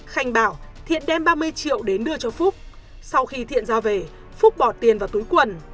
khanh bảo thiện đem ba mươi triệu đến đưa cho phúc sau khi thiện ra về phúc bỏ tiền vào túi quần